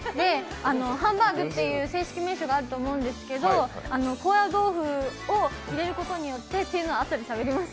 ハンバーグという正式名称があると思うんですけど高野豆腐を入れることによってというのはあとでしゃべります。